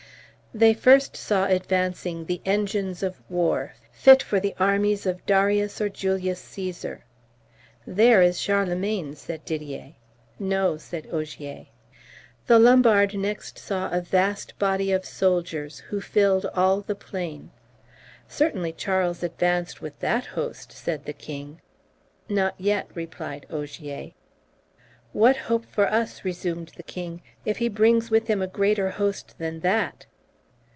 "They first saw advancing the engines of war, fit for the armies of Darius or Julius Caesar. 'There is Charlemagne,' said Didier. 'No,' said Ogier. The Lombard next saw a vast body of soldiers, who filled all the plain. 'Certainly Charles advanced with that host,' said the king. 'Not yet,' replied Ogier. 'What hope for us,' resumed the king, 'if he brings with him a greater host than that?'